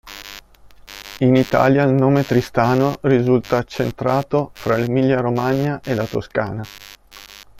In Italia, il nome Tristano risulta accentrato fra l'Emilia-Romagna e la Toscana.